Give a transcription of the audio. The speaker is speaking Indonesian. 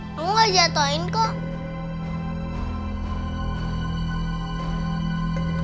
kamu gak jatohin kok